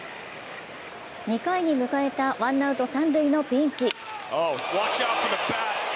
２回に迎えたワンアウト三塁のピンチ。